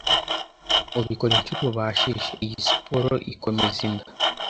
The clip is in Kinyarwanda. Ubikora inshuro ubashije. Iyi siporo ikomeza inda